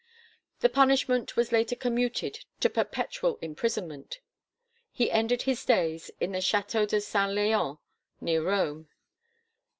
The punishment was later commuted to perpetual imprisonment. He ended his days in the Château de Saint Leon near Rome.